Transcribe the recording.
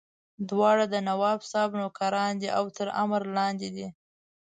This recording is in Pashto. دواړه د نواب صاحب نوکران دي او تر امر لاندې دي.